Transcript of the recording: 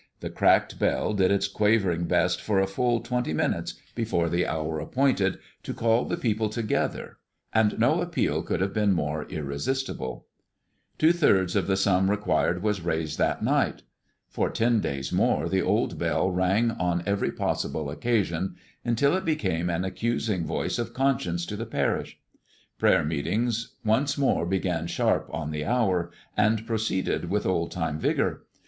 The cracked bell did its quavering best for a full twenty minutes before the hour appointed, to call the people together; and no appeal could have been more irresistible. Two thirds of the sum required was raised that night. For ten days more the old bell rang on every possible occasion, until it became an accusing voice of conscience to the parish. Prayer meetings once more began sharp on the hour, and proceeded with old time vigor.